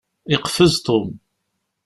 Yeqfez Tom.